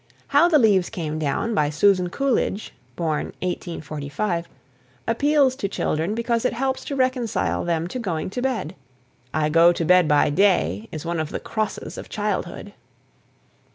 "How the Leaves Came Down," by Susan Coolidge (1845 ), appeals to children because it helps to reconcile them to going to bed. "I go to bed by day" is one of the crosses of childhood.